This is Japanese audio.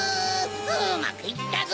うまくいったぞ！